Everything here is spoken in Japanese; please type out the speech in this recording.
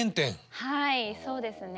はいそうですね。